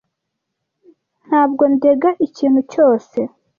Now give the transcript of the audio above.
Ntabwo ndega ikintu cyose.